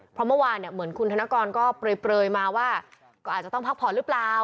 เพราะเมื่อวานเนี่ยเหมือนคุณธนกรก็เปลยมาว่าก็อาจจะต้องพักผ่อนหรือเปล่า